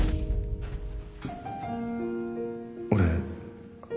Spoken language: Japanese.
俺